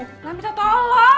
nah minta tolong